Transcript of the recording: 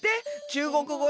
「中国語！